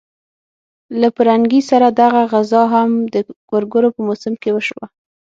له پرنګي سره دغه غزا هم د ګورګورو په موسم کې وشوه.